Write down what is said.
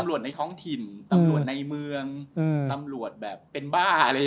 ตำรวจในท้องถิ่นตำรวจในเมืองตำรวจแบบเป็นบ้าอะไรอย่างเงี้ย